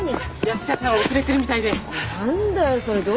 役者さん遅れてるみたいで。